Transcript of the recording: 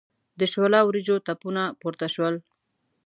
د شوله وریجو تپونه پورته شول.